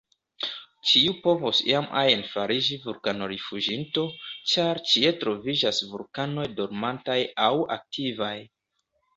Ĉiu povos iam ajn fariĝi vulkano-rifuĝinto, ĉar ĉie troviĝas vulkanoj dormantaj aŭ aktivaj.